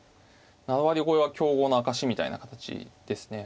７割超えは強豪の証しみたいな形ですね。